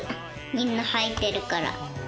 みんな履いてるから。